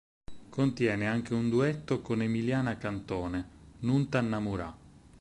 Contiene anche un duetto con Emiliana Cantone, "Nun t'annammurà".